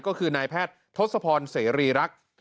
ก็คือนายแพทย์ทศพรเสรีรักษ์